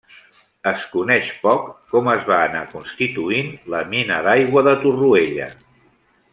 Es coneix poc com es va anar constituït la mina d'aigua de Torroella.